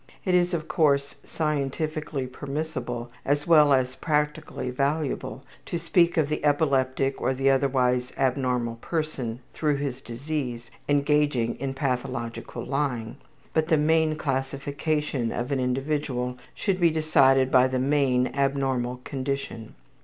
It is, of course, scientifically permissible, as well as practically valuable, to speak of the epileptic or the otherwise abnormal person through his disease engaging in pathological lying, but the main classification of an individual should be decided by the main abnormal condition.